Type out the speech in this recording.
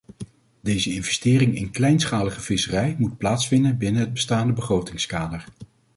Deze investering in kleinschalige visserij moet plaatsvinden binnen het bestaande begrotingskader.